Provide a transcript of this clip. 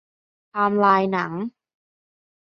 ไทม์ไลน์หนัง